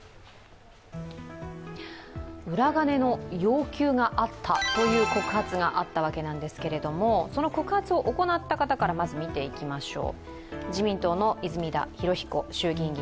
裏金の要求があったという告発があったわけなんですけれども、その告発を行った方からまず見ていきましょう。